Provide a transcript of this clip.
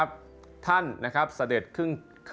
ติดตามได้จากรายงานพิเศษชิ้นนี้นะคะ